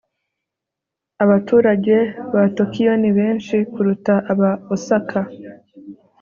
abaturage ba tokiyo ni benshi kuruta aba osaka